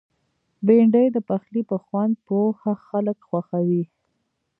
بېنډۍ د پخلي په خوند پوه خلک خوښوي